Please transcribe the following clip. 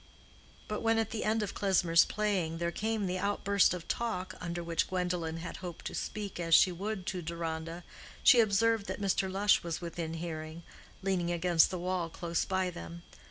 But when at the end of Klesmer's playing there came the outburst of talk under which Gwendolen had hoped to speak as she would to Deronda, she observed that Mr. Lush was within hearing, leaning against the wall close by them.